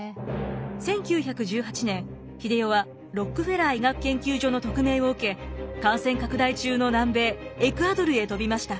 １９１８年英世はロックフェラー医学研究所の特命を受け感染拡大中の南米エクアドルへ飛びました。